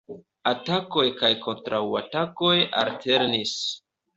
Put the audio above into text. Atakoj kaj kontraŭatakoj alternis.